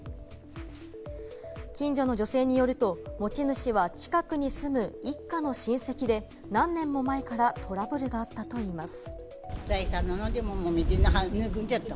近所の女性によると、持ち主は近くに住む一家の親戚で、何年も前からトラブルがあったといいます。